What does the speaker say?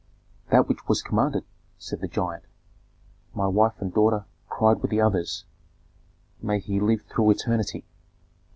"That which was commanded," said the giant. "My wife and daughter cried with the others, 'May he live through eternity!'